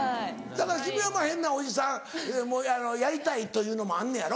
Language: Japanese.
だから君は変なおじさんもやりたいというのもあんねやろ？